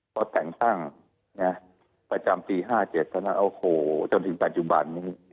พอแต่งตั้งประจำปี๕๗เท่านั้นโอ้โหจนถึงปัจจุบันนี้